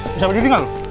bisa pergi tinggal